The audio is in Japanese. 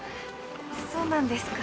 そうなんですか。